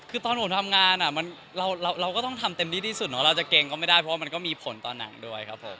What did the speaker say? เราก็ต้องทำเต็มที่ดีสุดเราจะเก่งก็ไม่ได้เพราะมันก็มีผลต่อหนังด้วยครับผม